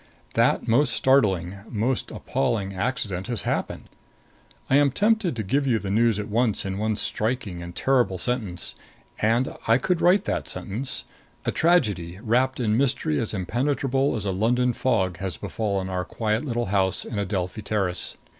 That most startling, most appalling accident has happened. I am tempted to give you the news at once in one striking and terrible sentence. And I could write that sentence. A tragedy, wrapped in mystery as impenetrable as a London fog, has befallen our quiet little house in Adelphi Terrace.